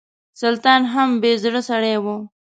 سلطان هم بې زړه سړی و.